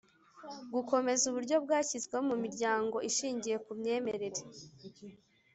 Gukomeza uburyo bwashyizweho mu Miryango Ishingiye ku Myemerere